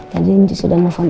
tadi nji sudah nelfon